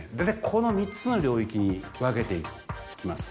この３つの領域に分けていきます。